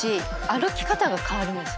歩き方が変わるんです。